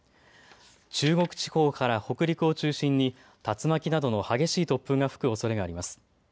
中国地方から北陸を中心に竜巻などの激しい突風が吹くおそれがあります。